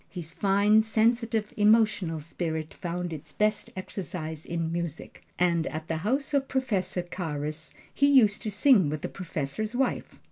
His fine, sensitive, emotional spirit found its best exercise in music; and at the house of Professor Carus he used to sing with the professor's wife.